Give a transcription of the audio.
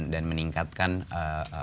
dan meningkatkan penghasilan